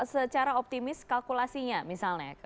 secara optimis kalkulasinya misalnya